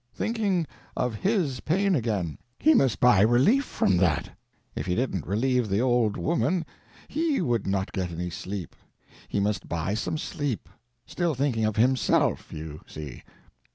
Thinking of his pain again. He must buy relief for that. If he didn't relieve the old woman he would not get any sleep. He must buy some sleep—still thinking of himself, you see.